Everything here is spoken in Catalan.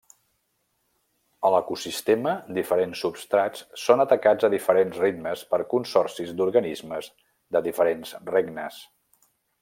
A l'ecosistema, diferents substrats són atacats a diferents ritmes per consorcis d'organismes de diferents regnes.